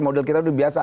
model kita udah biasa